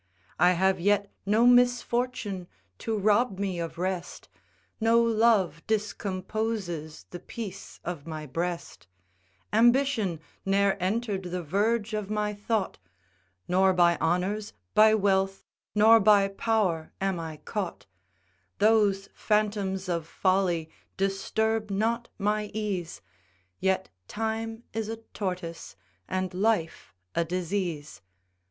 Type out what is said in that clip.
I have yet no misfortune to rob me of rest, No love discomposes the peace of my breast; Ambition ne'er enter'd the verge of my thought, Nor by honours, by wealth, nor by power am I caught; Those phantoms of folly disturb not my ease, Yet Time is a tortoise, and Life a disease.